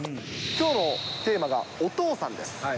きょうのテーマがお父さんです。